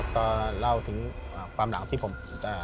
ก็เตอร์เล่าถึงความหลังที่คุณจะ